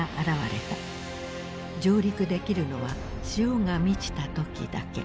上陸できるのは潮が満ちた時だけ。